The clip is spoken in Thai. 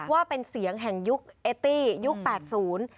ว่าเป็นเสียงแห่งยุคเอตี้ยุคแปดศูนย์